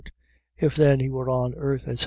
If then he were on earth, etc.